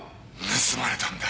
盗まれたんだ。